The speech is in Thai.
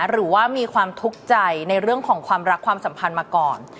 หรือว่ามีความทุกข์ใจในเรื่องของความรักความสัมพันธ์มาก่อน